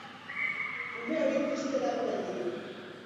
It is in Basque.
Ume hori triste dago beti